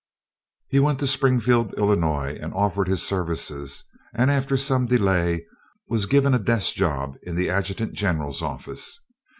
He went to Springfield, Illinois, and offered his services, and after some delay was given a desk in the adjutant general's office.